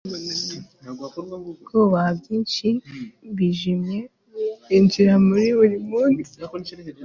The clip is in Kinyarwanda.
kubaha, byinshi byijimye byinjira muri buri munsi